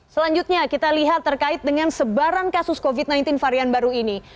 selanjutnya kita lihat terkait dengan sebaran kasus covid sembilan belas varian baru ini